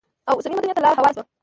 او اوسني مدنيت ته لار هواره شوه؛